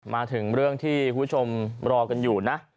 มาถึงเรื่องที่คุณผู้ชมรอกันอยู่นะ